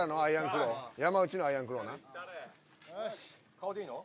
顔でいいの？